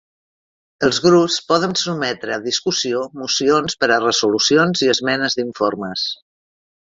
Els grups poden sotmetre a discussió mocions per a resolucions i esmenes d'informes.